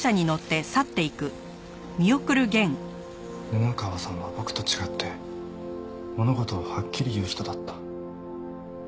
布川さんは僕と違って物事をはっきり言う人だった。